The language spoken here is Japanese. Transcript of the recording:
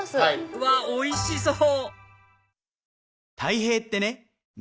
うわっおいしそう！